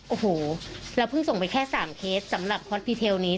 โอ้โหเราเพิ่งส่งไปแค่๓เคสสำหรับฮอตพีเทลนี้